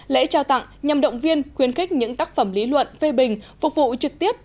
lễ trao tặng nhằm động viên khuyến khích những tác phẩm lý luận phê bình phục vụ trực tiếp